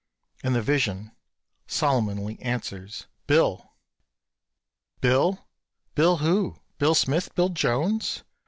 And the vision solemnly answers "Bill!" Bill! Bill who? Bill Smith? Bill Jones?